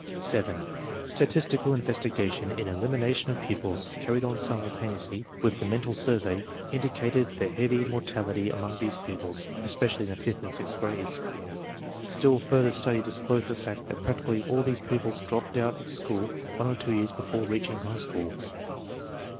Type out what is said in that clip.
7. Statistical investigation in elimination of pupils, carried on simultaneously with the mental survey, indi cated the heavy mortality among these pupils, espe cially in the fifth and sixth grades. Still further study disclosed the fact that practically all these pupils dropped out of school one or two years before reaching high school.